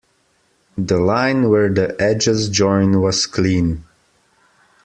The line where the edges join was clean.